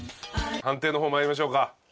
判定の方参りましょうか。